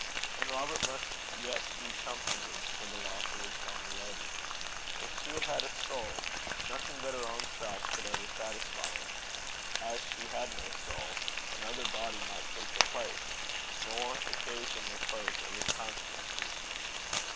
And Robert must yet be comforted for the loss of his bonny leddy. If she had had a soul, nothing but her own self could ever satisfy him. As she had no soul, another body might take her place, nor occasion reproach of inconstancy.